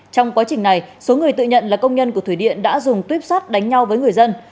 trong quá trình này số người tự nhận là công nhân của thủy điện đã dùng tuyếp sát đánh nhau với người dân